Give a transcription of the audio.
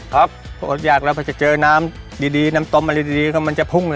ครับเพราะอดอยากแล้วพอจะเจอน้ำดีดีน้ำต้มอันดีดีก็มันจะพุ่งเลย